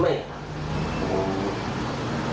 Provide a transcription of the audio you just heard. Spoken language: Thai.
ไม่ครับ